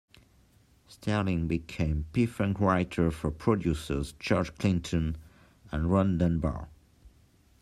Sterling became P-Funk writer for producers George Clinton and Ron Dunbar.